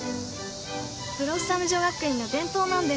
ブロッサム女学院の伝統なんです。